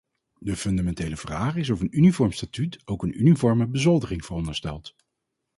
De fundamentele vraag is of een uniform statuut ook een uniforme bezoldiging veronderstelt.